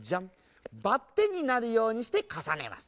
バッテンになるようにしてかさねます。